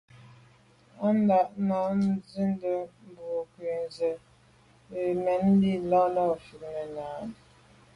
Á ndǎ’ nə̀ tswìdə̌ bwɔ́ŋkə́’ zə̄ yə̂n mɛ́n lî nâ’ fît nə̀ rə̌.